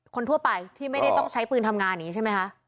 คนทั่วไปที่ไม่ได้ต้องใช้ปืนทำงานอย่างนี้ใช่ไหมคะ